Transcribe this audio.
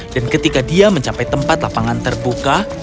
dan ketika dia mencapai tempat lapangan terbuka